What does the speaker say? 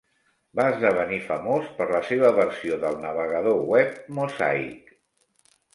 Va esdevenir famós per la seva versió del navegador web Mosaic.